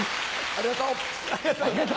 ありがとう。